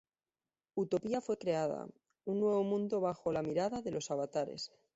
Utopía fue creada, un nuevo mundo bajo la mirada de los Avatares.